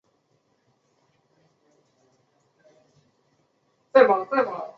宋朝第十三代二月廿二戊辰出生。